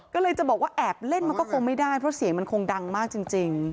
ก็เลยจะบอกว่าแอบเล่นมันก็คงไม่ได้เพราะเสียงมันคงดังมากจริง